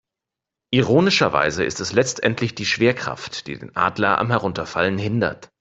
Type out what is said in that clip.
Ironischerweise ist es letztendlich die Schwerkraft, die den Adler am Herunterfallen hindert.